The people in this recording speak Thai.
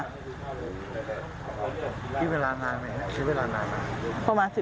ใช้เวลานานไหมครับใช้เวลานานไหม